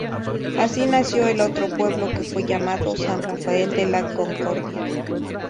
Así nació el otro pueblo que fue llamado San Rafael de la Concordia.